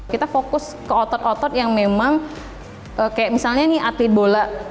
kita fokus ke otot otot yang memang kayak misalnya ini atlet bola